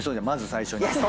まず最初に。